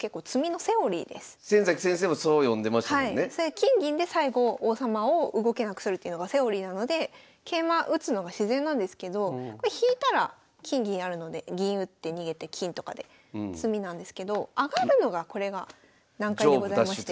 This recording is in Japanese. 金銀で最後王様を動けなくするっていうのがセオリーなので桂馬打つのが自然なんですけどこれ引いたら金銀あるので銀打って逃げて金とかで詰みなんですけど上がるのがこれが難解でございまして。